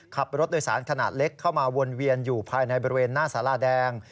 ขับรถโดยสารขนาดเล็กเข้ามาวนเวียนอยู่ภายในบริเวณหน้าสาราแดง